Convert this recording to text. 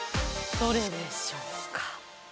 どれでしょうか？